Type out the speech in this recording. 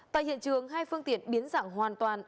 tại hiện trường hai phương tiện biến dạng hoàn toàn